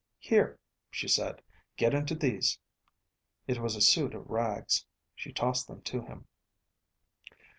"Here," she said. "Get into these." It was a suit of rags. She tossed them to him.